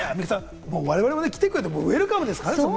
我々も来てくれるのはウエルカムですからね。